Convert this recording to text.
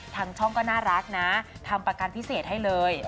ทางช่องก็น่ารักนะทำประกันพิเศษให้เลย